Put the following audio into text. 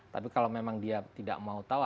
tapi kalau memang dia tidak mau tahu